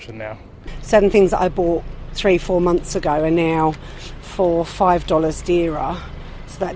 dan sekarang kita dua ratus lima puluh tiga dolar